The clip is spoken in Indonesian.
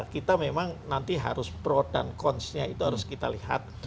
kita memang nanti harus pro dan conce nya itu harus kita lihat